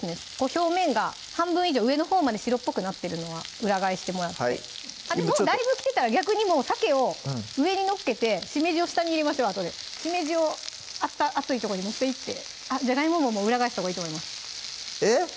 表面が半分以上上のほうまで白っぽくなってるのは裏返してもらってもうだいぶきてたら逆にもうさけを上に載っけてしめじを下に入れましょうあとでしめじを熱いとこに持っていってじゃがいもももう裏返したほうがいいと思いますえっ？